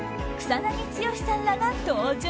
草なぎ剛さんらが登場。